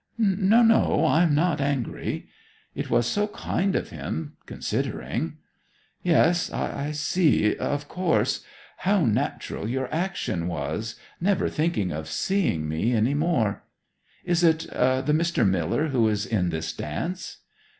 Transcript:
'No, no, I'm not angry.' 'It was so kind of him, considering!' 'Yes ... I see, of course, how natural your action was never thinking of seeing me any more! Is it the Mr. Miller who is in this dance?'